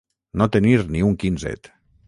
No tenir ni un quinzet.